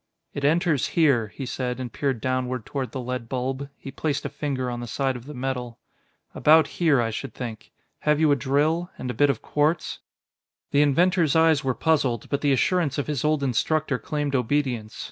"It enters here," he said and peered downward toward the lead bulb. He placed a finger on the side of the metal. "About here, I should think.... Have you a drill? And a bit of quartz?" The inventor's eyes were puzzled, but the assurance of his old instructor claimed obedience.